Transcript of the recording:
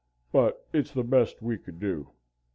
. "But it's the best we could do. .